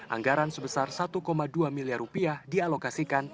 anggaran sebesar satu dua miliar rupiah dialokasikan